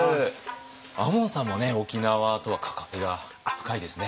亞門さんも沖縄とは関わりが深いですね。